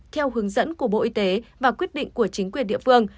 theo hướng dẫn của bộ y tế và quyết định của chính quyền địa phương